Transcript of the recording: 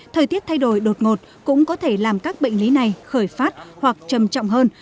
thời tiết thay đổi đột ngột cũng có thể làm các bệnh lý này khởi phát hoặc trầm trọng hơn